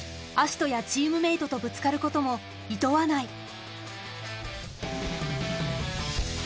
葦人やチームメートとぶつかることもいとわない。